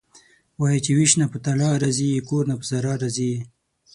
وايي چې وېش نه په تالا راضي یې کور نه په صحرا راضي یې..